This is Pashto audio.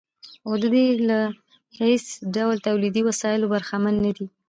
خو دوی له هېڅ ډول تولیدي وسایلو برخمن نه دي